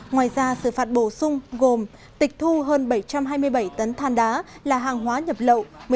ngoài ra sự phạt bổ sung gồm tịch thu hơn bảy trăm hai mươi bảy tấn than đá là hàng hóa nhập lậu